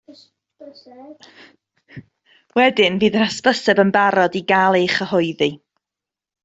Wedyn, fydd yr hysbyseb yn barod i gael ei chyhoeddi